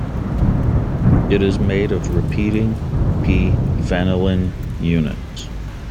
It is made of repeating "p"-phenylene units.